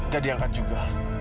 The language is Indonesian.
gak diangkat juga